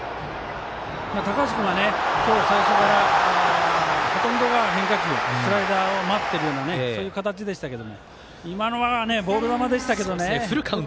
高橋君は今日最初からほとんどが変化球、スライダーを待っているような形でしたけど今のはボール球でしたけどね。